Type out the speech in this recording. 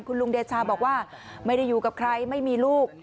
คุณลุงเดชาบอกว่าไม่ได้อยู่กับใครไม่มีลูก